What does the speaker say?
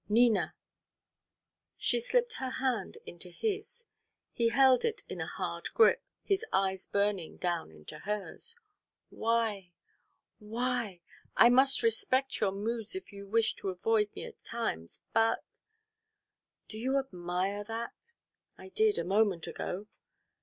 Nina!" She slipped her hand into his. He held it in a hard grip, his eyes burning down into hers. "Why why? I must respect your moods if you wish to avoid me at times but " "Do you admire that?" "I did a moment ago."